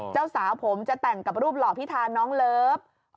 เจ้าสาวผมจะแต่งกับรูปหล่อพิธาน้องเลิฟ